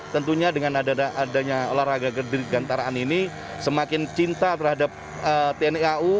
tentunya dengan adanya olahraga gantaraan ini semakin cinta terhadap tniau